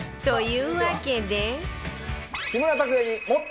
いうわけで